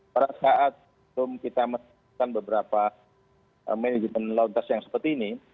perasaan untuk kita menempatkan beberapa manajemen lontas yang seperti ini